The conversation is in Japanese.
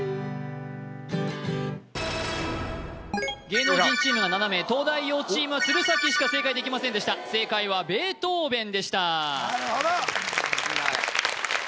芸能人チームが７名東大王チームは鶴崎しか正解できませんでした正解はベートーヴェンでしたなるほど！